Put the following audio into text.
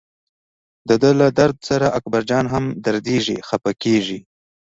دده له درد سره اکبرجان هم دردېږي خپه کېږي.